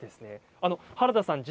原田さん